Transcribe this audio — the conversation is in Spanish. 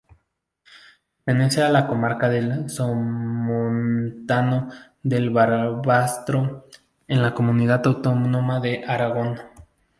Pertenece a la comarca del Somontano de Barbastro, en la comunidad autónoma de Aragón.